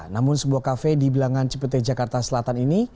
namun sebuah cafe di bilangan cipute jakarta selatan ini